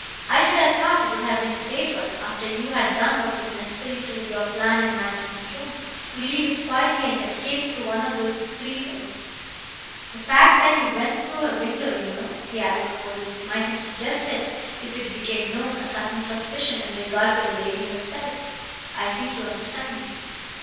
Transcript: I should have thought it would have been safer, after you had done what was necessary to your plan in Manderson's room, to leave it quietly and escape through one of those three rooms.... The fact that you went through her window, you know," he added coldly, "might have suggested, if it became known, a certain suspicion in regard to the lady herself. I think you understand me."